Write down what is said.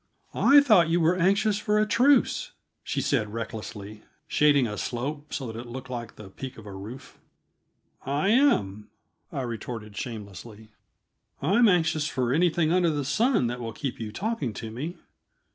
"I thought you were anxious for a truce," she said recklessly, shading a slope so that it looked like the peak of a roof. "I am," I retorted shamelessly. "I'm anxious for anything under the sun that will keep you talking to me.